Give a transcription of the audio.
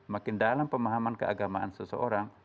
makin dalam pemahaman keagamaan seseorang